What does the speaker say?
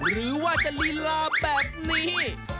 หรือว่าจะลีลาแบบนี้